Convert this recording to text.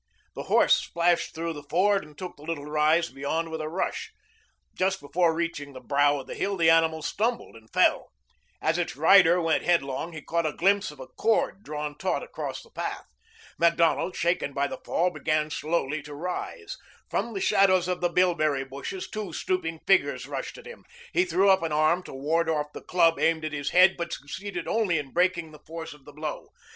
The horse splashed through the ford and took the little rise beyond with a rush. Just before reaching the brow of the hill, the animal stumbled and fell. As its rider went headlong, he caught a glimpse of a cord drawn taut across the path. Macdonald, shaken by the fall, began slowly to rise. From the shadows of the bilberry bushes two stooping figures rushed at him. He threw up an arm to ward off the club aimed at his head, but succeeded only in breaking the force of the blow.